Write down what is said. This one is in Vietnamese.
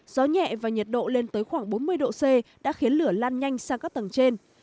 gió nhẹ và nhiệt độ lên tới khoảng bốn mươi độ c đã khiến lửa lan nhanh sang các tầng trên